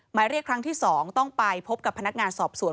หมายเรียกครั้งที่๒ต้องไปพบกับพนักงานสอบสวน